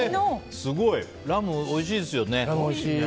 ラム、おいしいですよね。